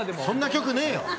そんな曲ねえよ！